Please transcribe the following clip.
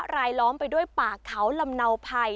รายล้อมไปด้วยป่าเขาลำนาวไพร